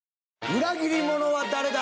裏切者は誰だ？